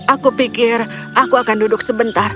aku pikir aku akan duduk sebentar